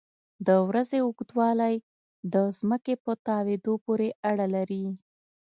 د ورځې اوږدوالی د ځمکې په تاوېدو پورې اړه لري.